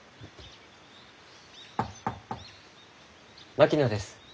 槙野です。